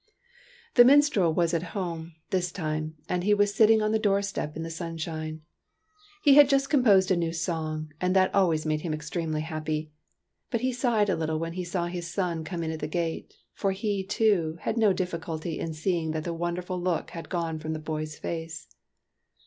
The minstrel was at home, this time, and he was sitting on the doorstep in the sunshine. He had just composed a new song, and that always made him extremely happy ; but he sighed a little when he saw his son come in at the gate, for he, too, had no difficulty in see ing that the wonderful look had gone from the boy s face.